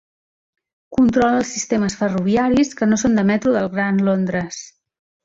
Controla els sistemes ferroviaris que no són de metro del Gran Londres.